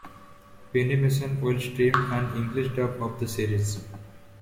Funimation will stream an English dub of the series.